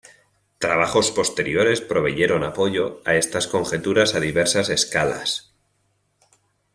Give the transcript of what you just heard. Trabajos posteriores proveyeron apoyo a estas conjeturas a diversas escalas.